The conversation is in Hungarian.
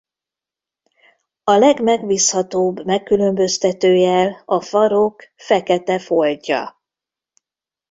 A legmegbízhatóbb megkülönböztető jel a farok fekete foltja.